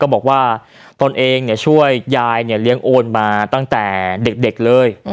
บอกว่าตนเองช่วยยายเนี่ยเลี้ยงโอนมาตั้งแต่เด็กเลย